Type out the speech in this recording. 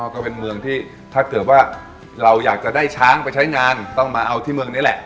ก็เป็นเมืองที่ถ้าเกิดว่าเราอยากจะได้ช้างไปใช้งานต้องมาเอาที่เมืองนี้แหละ